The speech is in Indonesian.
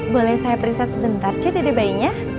boleh saya periksa sebentar cek dede bayinya